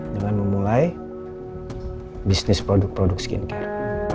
dengan memulai bisnis produk produk skincare